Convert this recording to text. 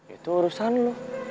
itu urusan lo